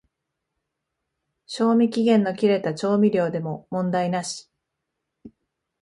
賞味期限の切れた調味料でも問題なし